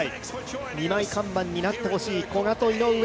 二枚看板になってほしい、古賀と井上。